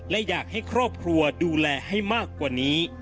และอยากให้ครอบครัวดูแลให้มากกว่านี้